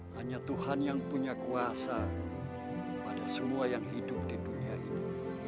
hanya tuhan yang punya kuasa pada semua yang hidup di dunia ini